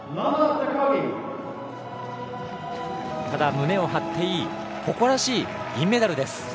ただ胸を張っていい誇らしい銀メダルです。